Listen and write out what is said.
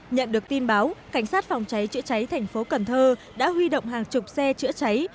nhận được tin báo cảnh sát phòng cháy chữa cháy thành phố cần thơ đã huy động hàng chục xe chữa cháy